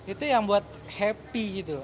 itu yang buat happy gitu